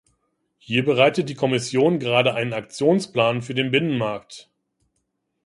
Hier bereitet die Kommission gerade einen Aktionsplan für den Binnenmarkt.